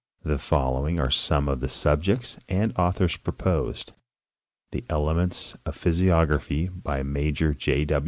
The following are some of the subjects and authors proposed : The elements of physiography, by Major J.